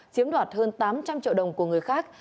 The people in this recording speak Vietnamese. chiếm đoạt hơn tám trăm linh triệu đồng của người khác